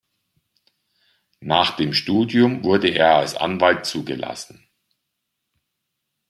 Nach dem Studium wurde er als Anwalt zugelassen.